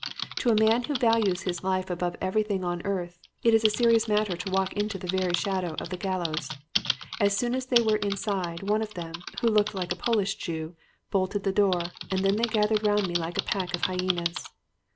To a man who values his life above everything on earth, it is a serious matter to walk into the very shadow of the gallows. As soon as they were inside, one of them, who looked like a Polish Jew, bolted the door; and then they gathered round me like a pack of hyenas.